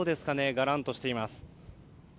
がらんとしています。